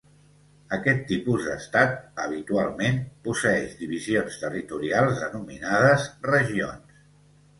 Aquest tipus d'estat, habitualment, posseeix divisions territorials denominades regions.